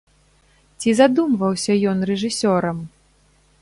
Ці задумваўся ён рэжысёрам?